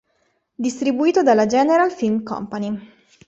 Distribuito dalla General Film Company.